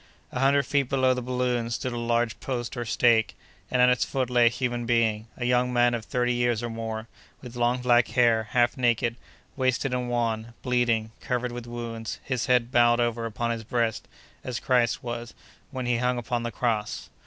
A hundred feet below the balloon stood a large post, or stake, and at its foot lay a human being—a young man of thirty years or more, with long black hair, half naked, wasted and wan, bleeding, covered with wounds, his head bowed over upon his breast, as Christ's was, when He hung upon the cross.